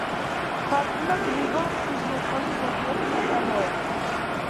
თარგმნა გრიგოლ ღვთისმეტყველის ზოგიერთი ნაწარმოები.